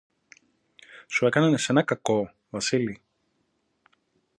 Σου έκαναν εσένα κακό, Βασίλη;